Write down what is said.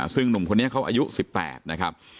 ซึ่งหนุ่มคนนี้เขาอายุ๑๘นะครับ